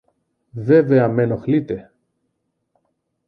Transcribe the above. Βέβαια μ' ενοχλείτε!